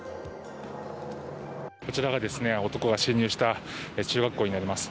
こちらが男が侵入した中学校になります